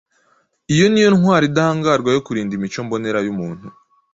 Iyo ni yo ntwaro idahangarwa yo kurinda imico mbonera y’umuntu,